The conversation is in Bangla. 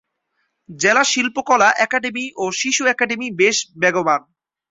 জেলা শিল্পকলা একাডেমী ও শিশু একাডেমী বেশ বেগবান।